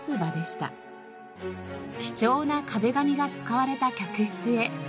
貴重な壁紙が使われた客室へ。